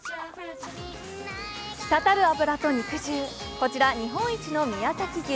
滴る脂と肉汁、こちら日本一の宮崎牛。